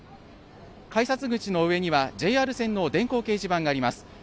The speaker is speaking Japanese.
改札口の上にはＪＲ線の電光掲示板があります。